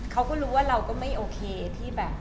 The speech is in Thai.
เขาก็รู้ว่าเราก็ไม่โอเคที่แบบ